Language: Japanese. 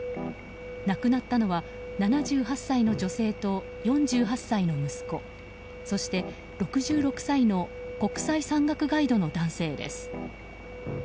亡くなったのは７８歳の女性と４８歳の息子そして６６歳の国際山岳ガイドの男性です。